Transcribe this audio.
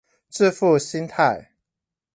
致富心態